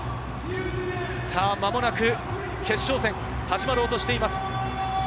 間もなく決勝戦、始まろうとしています。